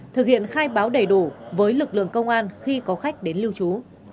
thực hiện khai báo đầy đủ với lực lượng công an khi có khách đến lưu trú